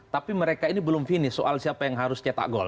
tapi mereka ini belum finish soal siapa yang harus cetak gol